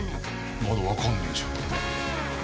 まだ分かんねえじゃん。